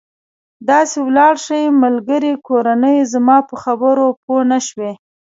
داسې ولاړ شئ، ملګري، کورنۍ، زما په خبرو پوه نه شوې.